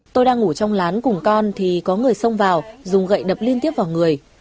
tôi đang ngủ trong lán cùng con thì có người xông vào dùng gậy đập liên tiếp vào người